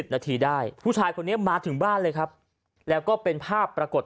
นาทีได้ผู้ชายคนนี้มาถึงบ้านเลยครับแล้วก็เป็นภาพปรากฏ